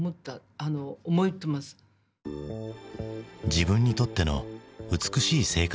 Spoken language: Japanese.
自分にとっての美しい生活とは？